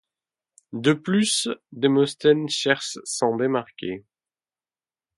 De plus Démosthène cherche s'en démarquer.